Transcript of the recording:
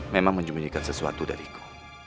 memang menjemputkan sesuatu dariku